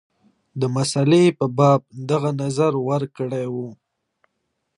د مسلې په باب دغه نظر ورکړی وو.